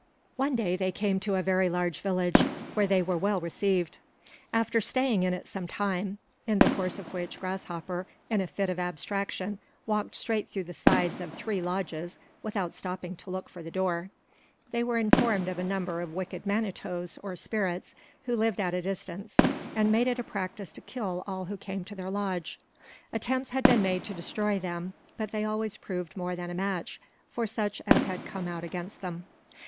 One day they came to a very large village, where they were well received. After staying in it some time (in the course of which Grasshopper, in a fit of abstraction, walked straight through the sides of three lodges without stopping to look for the door), they were informed of a number of wicked manitoes or spirits who lived at a distance, and who made it a practise to kill all who came to their lodge. Attempts had been made to destroy them, but they had always proved more than a match for such as had come out against them.